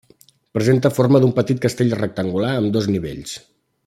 Presenta forma d'un petit castell rectangular amb dos nivells.